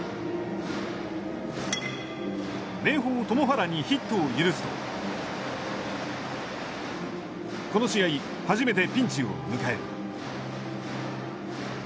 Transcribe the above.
明豊、塘原にヒットを許すとこの試合、初めてピンチを迎える。